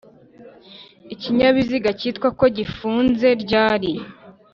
ikinyabiziga cyitwa ko gifunze ryari